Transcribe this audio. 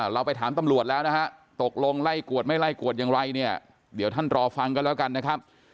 เราไปถามตำรวจแล้วนะฮะตกลงไล่กวดไม่ไล่กวดอย่างไรเนี่ยเดี๋ยวท่านรอฟังกันแล้วกันนะครับ